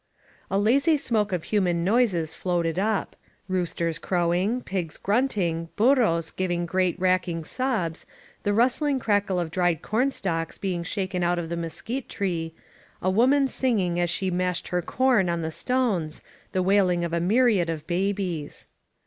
A lazy smoke of human noises floated up: roosters crowing, pigs grunting, burros giving great racking sobs, the rustling crackle of dried corn stalks being shaken out of the mesquite tree, a woman singing as 290 HAPPY VALLEY she mashed her com on the stones, the wailing of a myriad of babies.